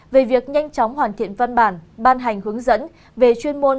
về việc nhanh chóng hoàn thiện văn bản ban hành hướng dẫn về chuyên môn